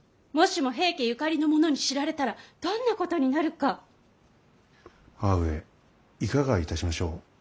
もしも平家ゆかりの者に知られたらどんなことになるか。母上いかがいたしましょう。